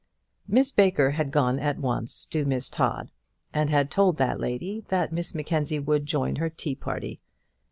Miss Baker had gone at once to Miss Todd, and had told that lady that Miss Mackenzie would join her tea party.